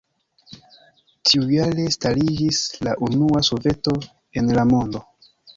Tiujare stariĝis la unua soveto en la mondo.